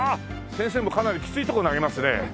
先生もかなりきついとこ投げますね。